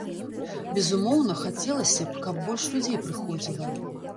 Безумоўна, хацелася б, каб больш людзей прыходзіла.